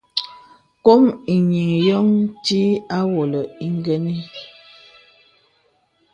Kòm enīŋ yóŋ ntí àwolə ingənə.